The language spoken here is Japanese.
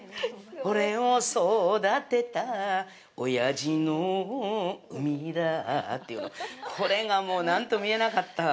俺を育てたおやじの海だっていうの、これがもう、なんとも言えなかった。